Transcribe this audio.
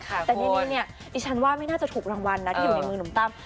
แต่นี่ดิฉันว่าไม่น่าจะถูกรางวัลนะที่อยู่ในมือหนุ่มตั้ม